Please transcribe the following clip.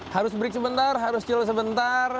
harus break sebentar harus jell sebentar